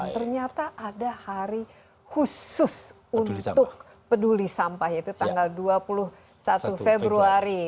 ternyata ada hari khusus untuk peduli sampah yaitu tanggal dua puluh satu februari